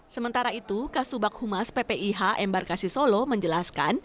sementara itu kasubag humas ppih embarkasi solo menjelaskan